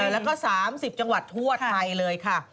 แล้วก็๓๐จังหวัดทั่วไทยเลยค่ะ